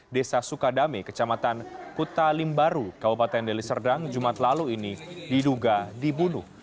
desa sukadame kecamatan kutalimbaru kabupaten deliserdang jumat lalu ini diduga dibunuh